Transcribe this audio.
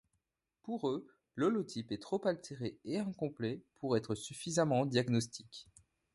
Pour eux, l'holotype est trop altéré et incomplet pour être suffisamment diagnostique.